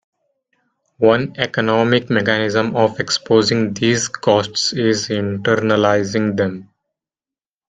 One economic mechanism of exposing these costs is internalizing them.